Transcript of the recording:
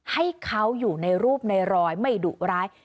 ให้เขาอยู่ในรูปในรอยไม่ดุร้าย